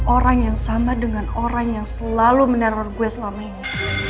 orang yang sama dengan orang yang selalu meneror gue selama ini